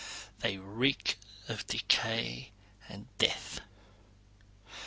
They reek of decay and death.